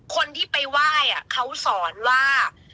คนที่ไปไหว้อ่ะเค้าสอนว่า